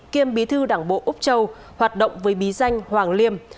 kiêm bí thư đảng bộ úc châu hoạt động với bí danh hoàng liêm